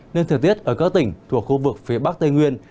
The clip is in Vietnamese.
nên thời tiết ở các tỉnh thuộc khu vực phía bắc tây nguyên